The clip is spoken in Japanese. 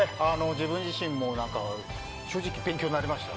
自分自身も正直、勉強になりました。